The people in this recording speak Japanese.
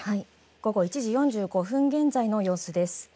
午後１時４５分現在の様子です。